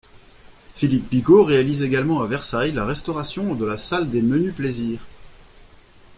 Philippe Bigot réalise également à Versailles la restauration de la salle des Menus Plaisirs.